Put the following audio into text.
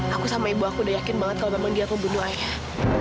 aku sama ibu aku udah yakin banget kalau memang dia aku bunuh ayah